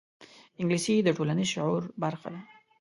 انګلیسي د ټولنیز شعور برخه ده